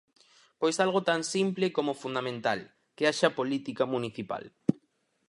Pois algo tan simple como fundamental: que haxa política municipal.